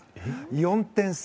４点差。